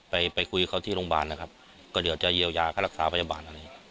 ไปไปคุยกับเขาที่โรงพยาบาลนะครับก็เดี๋ยวจะเยียวยาค่ารักษาพยาบาลอะไร